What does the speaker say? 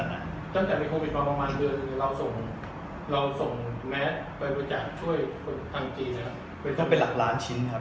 ตั้งแต่มีโควิดประมาณเดือนนึงเราส่งแมทไปประจานช่วยคนทางจีนนะครับ